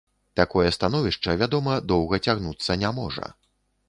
Такое становішча, вядома, доўга цягнуцца не можа.